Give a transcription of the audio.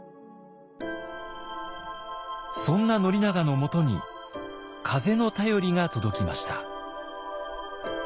そんな宣長のもとに風の便りが届きました。